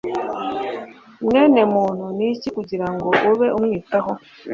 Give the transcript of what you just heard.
Mwene muntu ni iki kugira ngo ube wamwitaho?